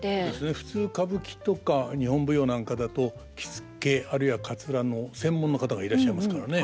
普通歌舞伎とか日本舞踊なんかだと着付けあるいはかつらの専門の方がいらっしゃいますからね。